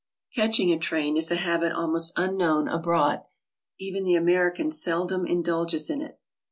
"Catching a train" is a habit almost unknown abroad; even the American seldom indulges in it.